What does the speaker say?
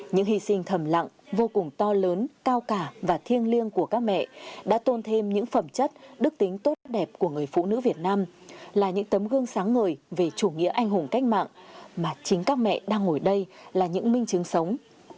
những hy sinh thầm lặng vô cùng to lớn cao cả và thiêng liêng của các mẹ đã tôn thêm những phẩm chất đức tính tốt đẹp của người phụ nữ việt nam là những tấm gương sáng ngời về chủ nghĩa anh hùng cách mạng mà chính các mẹ đang ngồi đây là những minh chứng sống